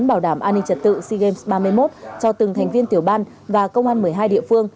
bảo đảm an ninh trật tự sea games ba mươi một cho từng thành viên tiểu ban và công an một mươi hai địa phương